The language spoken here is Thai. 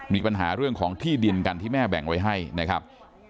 มีปัญหาเรื่องของที่ดินกันที่แม่แบ่งไว้ให้นะครับ